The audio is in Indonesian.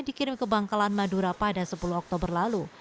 dikirim ke bangkalan madura pada sepuluh oktober lalu